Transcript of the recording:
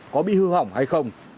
có bị hư hỏng hay không